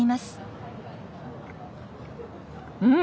うん！